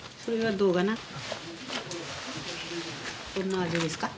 どんな味ですか？